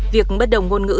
việc bất đồng ngôn ngữ